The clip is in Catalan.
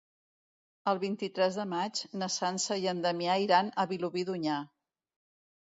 El vint-i-tres de maig na Sança i en Damià iran a Vilobí d'Onyar.